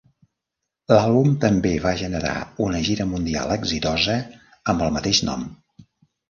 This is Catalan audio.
L'àlbum també va generar una gira mundial exitosa amb el mateix nom.